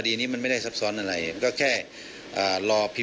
หากผู้ต้องหารายใดเป็นผู้กระทำจะแจ้งข้อหาเพื่อสรุปสำนวนต่อพนักงานอายการจังหวัดกรสินต่อไป